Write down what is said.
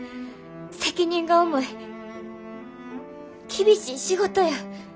責任が重い厳しい仕事や。